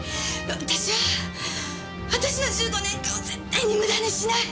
私は私は１５年間を絶対に無駄にしない。